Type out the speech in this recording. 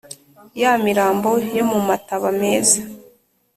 ya mirambi yo mu mataba meza,